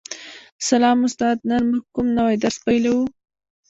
سلام استاده نن موږ کوم نوی درس پیلوو